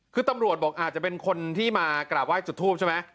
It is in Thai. คือตำรวจบอกอาจจะเป็นคนที่มากราบไห้จุดทูปใช่ไหม